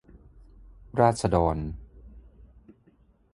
ราษฎร